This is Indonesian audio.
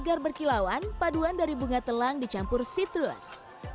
segar berkilauan paduan dari bunga telang dicampur sitrus